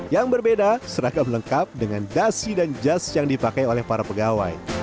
yang berbeda seragam lengkap dengan dasi dan jas yang dipakai oleh para pegawai